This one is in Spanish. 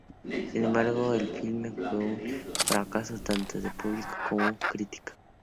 Sin embargo, el filme fue un fracaso tanto de público como de crítica.